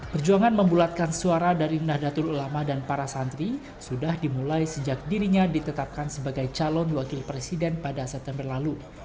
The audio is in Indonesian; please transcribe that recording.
perjuangan membulatkan suara dari nahdlatul ulama dan para santri sudah dimulai sejak dirinya ditetapkan sebagai calon wakil presiden pada september lalu